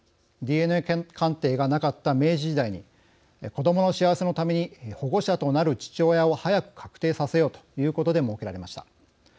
ＤＮＡ鑑定がなかった明治時代に子どもの幸せのために保護者となる父親を早く確定させようということで設けられました。